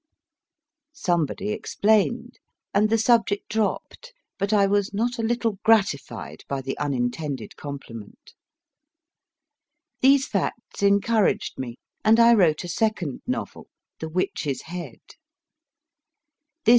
Somebody explained, and the subject dropped, but I was not a little gratified by the unintended compliment. These facts encouraged me, and I wrote a second novel The Witch s Head.